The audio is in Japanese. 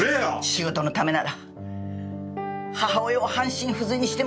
仕事のためなら母親を半身不随にしてもいいのか！？